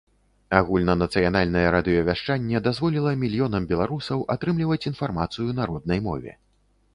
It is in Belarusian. Агульнанацыянальнае радыёвяшчанне дазволіла мільёнам беларусаў атрымліваць інфармацыю на роднай мове.